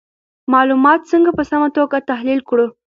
معلومات څنګه په سمه توګه تحلیل کړو؟